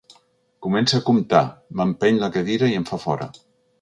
Comença a comptar, m’empeny la cadira i em fa fora.